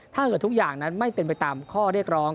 ถ้าเกิดทุกอย่างนั้นไม่เป็นไปตามข้อเรียกร้อง